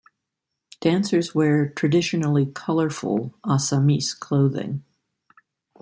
Dancers wear traditionally colorful Assamese clothing.